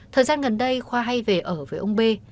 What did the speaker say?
thời gian gần đây khoa hay về ở với ông bê